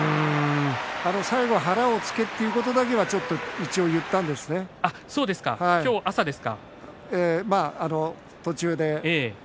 最後、腹を突けということだけは今朝ですか。